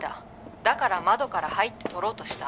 「だから窓から入って取ろうとした？」